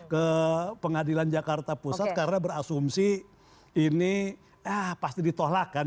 ke pengadilan jakarta pusat karena berasumsi ini pasti ditolakkan